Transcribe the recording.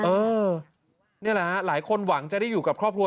เออนี่แหละฮะหลายคนหวังจะได้อยู่กับครอบครัว